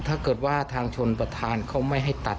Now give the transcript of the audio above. ถ้าเกิดว่าทางชนประธานเขาไม่ให้ตัด